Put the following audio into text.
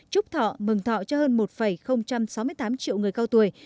trúc thọ mừng thọ cho hơn một sáu mươi tám triệu người cao tuổi